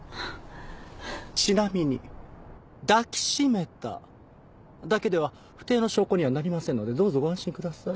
ちなみに抱きしめただけでは不貞の証拠にはなりませんのでどうぞご安心ください。